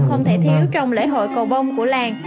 không thể thiếu trong lễ hội cầu bông của làng